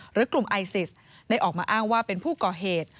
หรือกลุ่มไอซิสได้ออกมาอ้างว่าเป็นผู้ก่อเหตุ